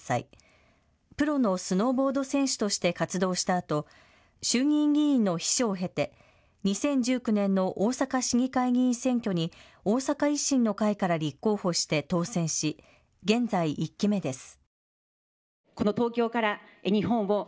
プロのスノーボード選手として活動したあと衆議院議員の秘書を経て２０１９年の大阪市議会議員選挙に大阪維新の会から立候補して当選し、現在１期目です。